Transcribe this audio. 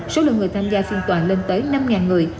số lượng người tham gia phiên tòa lên tới năm người